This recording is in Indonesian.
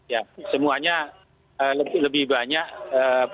ya semuanya lebih banyak